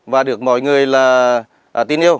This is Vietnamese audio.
và được mọi người là tin yêu